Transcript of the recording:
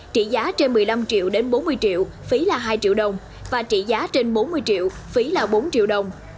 trị giá trên một mươi năm triệu đến bốn mươi triệu phí là hai triệu đồng và trị giá trên bốn mươi triệu phí là bốn triệu đồng